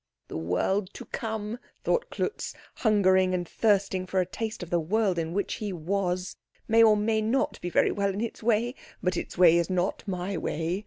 "The world to come," thought Klutz, hungering and thirsting for a taste of the world in which he was, "may or may not be very well in its way; but its way is not my way."